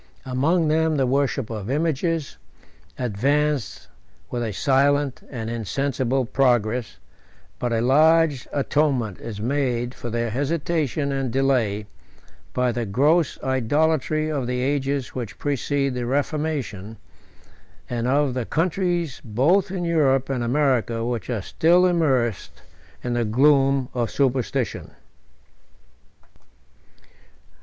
84 Among them the worship of images advanced with a silent and insensible progress; but a large atonement is made for their hesitation and delay, by the gross idolatry of the ages which precede the reformation, and of the countries, both in Europe and America, which are still immersed in the gloom of superstition.